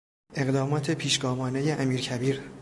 اقدامات پیشگامانهی امیرکبیر